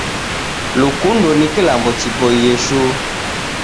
Lukundo ni kilambo chiboie shuu.